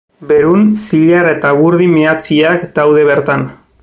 Berun, zilar eta burdin meatzeak daude bertan.